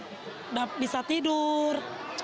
sudah bisa tidur